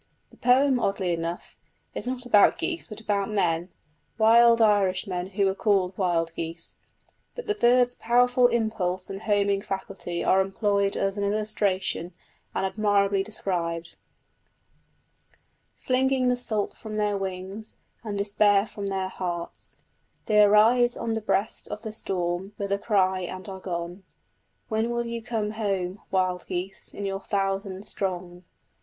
The poem, oddly enough, is not about geese but about men wild Irishmen who were called Wild Geese; but the bird's powerful impulse and homing faculty are employed as an illustration, and admirably described: Flinging the salt from their wings, and despair from their hearts They arise on the breast of the storm with a cry and are gone. When will you come home, wild geese, in your thousand strong?...